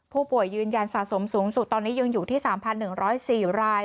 ผู้ป่วยยืนยันสะสมสูงสุดตอนนี้ยังอยู่ที่สามพันหนึ่งร้อยสี่ราย